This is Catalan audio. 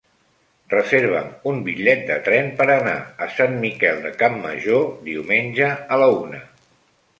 Reserva'm un bitllet de tren per anar a Sant Miquel de Campmajor diumenge a la una.